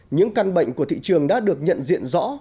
những căn bệnh của thị trường đã được nhận diện rõ